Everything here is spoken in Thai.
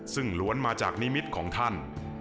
ซึ่งล้วนมาจากนิมิตของท่าน